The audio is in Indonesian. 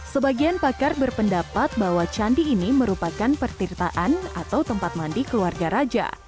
sebagian pakar berpendapat bahwa candi ini merupakan pertirtaan atau tempat mandi keluarga raja